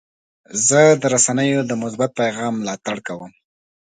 زه د رسنیو د مثبت پیغام ملاتړ کوم.